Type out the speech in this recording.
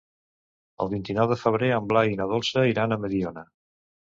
El vint-i-nou de febrer en Blai i na Dolça iran a Mediona.